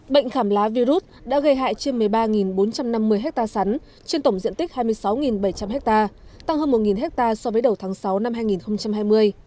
bệnh khảm lá virus đã gây hại trên một mươi ba bốn trăm năm mươi hectare sắn trên tổng diện tích hai mươi sáu bảy trăm linh ha tăng hơn một hectare so với đầu tháng sáu năm hai nghìn hai mươi